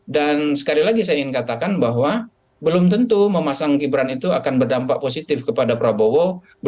dan sekali lagi saya ingin katakan bahwa belum tentu memasang gibran itu akan berdampak positif kepada prabowo